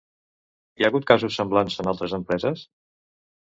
Hi ha hagut casos semblants en altres empreses?